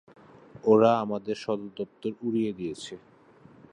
ওরা আমাদের সদর দপ্তর উড়িয়ে দিয়েছে!